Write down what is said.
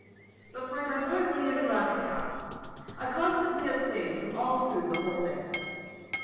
But for divers years last past, I constantly abstained from all food the whole day.